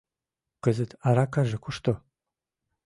Кызыт аракаже кушто?